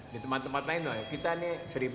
di tempat tempat lain kita ini seribu enam ratus dua puluh